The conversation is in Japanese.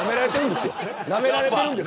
なめられてるんですよ。